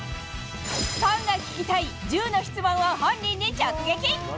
ファンが聞きたい１０の質問を本人に直撃。